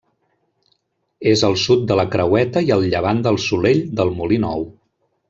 És al sud de la Creueta i a llevant del Solell del Molí Nou.